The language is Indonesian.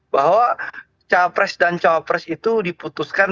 bahwa capres dan cawapres itu diputuskan